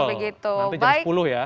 betul nanti jam sepuluh ya